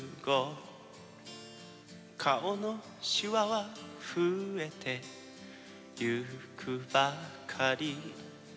「顔のシワはふえてゆくばかり」